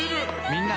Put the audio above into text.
みんな！